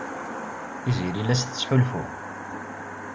Tiziri la as-tettḥulfu.